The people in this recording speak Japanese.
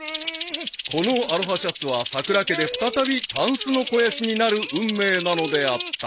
［このアロハシャツはさくら家で再びタンスの肥やしになる運命なのであった］